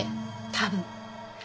多分。